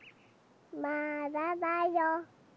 まだだよ！